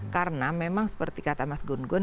karena memang seperti kata mas gun gun